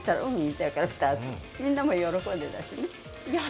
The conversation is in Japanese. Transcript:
じゃ、２つ、みんなも喜んでたしね。